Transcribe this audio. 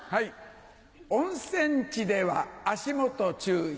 温泉地では足元注意。